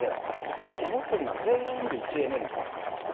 つまり持ってるのは全部位置エネルギー。